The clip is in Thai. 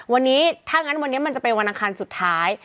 วันนี้ถ้างั้นวันนี้มันจะเป็นวันอังคารสุดท้าย